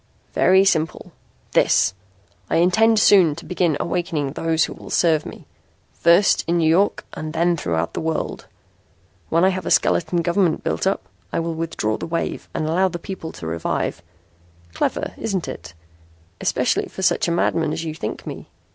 "Very simple. This: I intend soon to begin awakening those who will serve me, first in New York and then throughout the world. When I have a skeleton government built up, I will withdraw the wave and allow the people to revive. Clever, isn't it? Especially for such a madman as you think me."